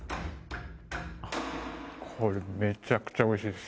これめちゃくちゃおいしいっす。